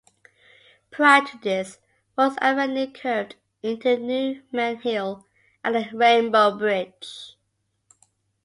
Prior to this, Falls Avenue curved into Newman Hill at the Rainbow Bridge.